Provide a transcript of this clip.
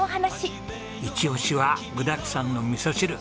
イチオシは具だくさんのみそ汁。